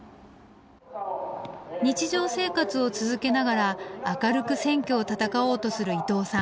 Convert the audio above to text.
日常生活を続けながら明るく選挙を戦おうとする伊藤さん。